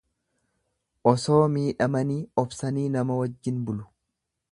Osoo miidhamanii obsanii nama wajjin bulu.